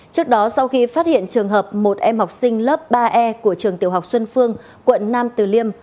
trước đó sau khi phát hiện trường hợp một em học sinh lớp ba e của trường tiểu học xuân phương quận nam từ liêm